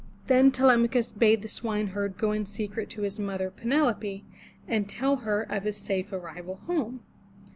Then Te lem'a chus bade the swine herd go in secret to his mother, Pe neFo pe, to tell her of his safe arrival home.